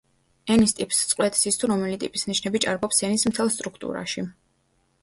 ენის ტიპს წყვეტს ის თუ რომელი ტიპის ნიშნები ჭარბობს ენის მთელ სტრუქტურაში.